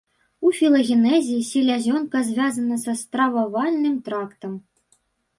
У філагенезе селязёнка звязана са стрававальным трактам.